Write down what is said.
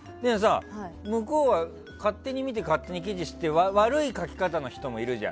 向こうは勝手に見て勝手に記事にして悪い書き方の人もいるじゃん。